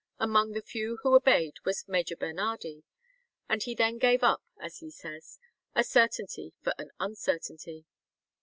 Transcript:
Among the few who obeyed was Major Bernardi, and he then gave up, as he says, a certainty for an uncertainty.